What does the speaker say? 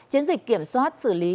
chiến dịch kiểm soát xử lý